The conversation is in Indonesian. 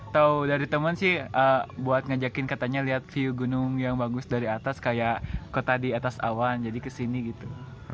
tahu dari teman sih buat ngajakin katanya lihat view gunung yang bagus dari atas kayak kota di atas awan jadi kesini gitu